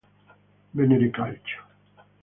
Venere calcio".